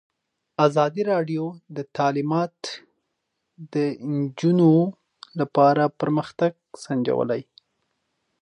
ازادي راډیو د تعلیمات د نجونو لپاره پرمختګ سنجولی.